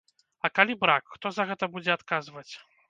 А калі брак, хто за гэта будзе адказваць?